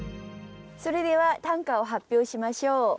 それでは短歌を発表しましょう。